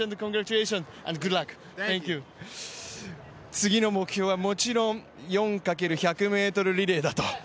次の目標はもちろん４×１００ｍリレーだと。